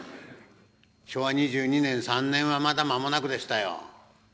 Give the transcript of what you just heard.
昭和２２年２３年はまだ間もなくでしたよ。